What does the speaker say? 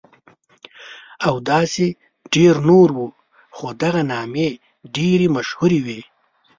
او داسې ډېر نور وو، خو دغه نامې ډېرې مشهورې وې.